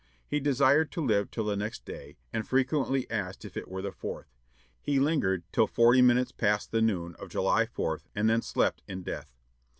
He desired to live till the next day, and frequently asked if it were the Fourth. He lingered till forty minutes past the noon of July 4, and then slept in death.